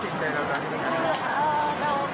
สุดที่ที่ต้องแยกจากกันเรารู้สึกเสียดายไหม